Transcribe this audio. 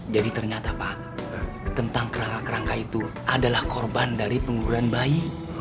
jadi ternyata pak tentang kerangka kerangka itu adalah korban dari pengurusan bayi